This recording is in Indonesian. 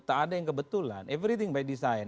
tak ada yang kebetulan everything by design